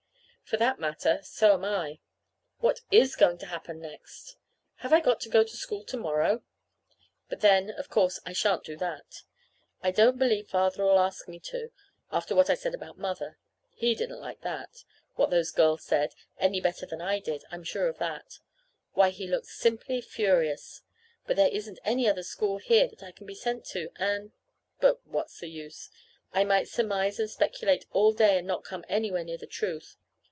For that matter, so am I. What is going to happen next? Have I got to go to school to morrow? But then, of course, I shan't do that. Besides, I don't believe Father'll ask me to, after what I said about Mother. He didn't like that what those girls said any better than I did. I'm sure of that. Why, he looked simply furious. But there isn't any other school here that I can be sent to, and But what's the use? I might surmise and speculate all day and not come anywhere near the truth.